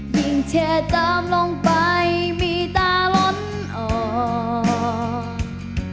ยิ่งเธอตามลงไปมีตาล้นออก